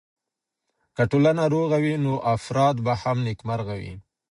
که ټولنه روغه وي نو افراد به هم نېکمرغه وي.